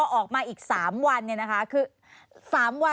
ขอความรู้หน่อยค่ะค่ะ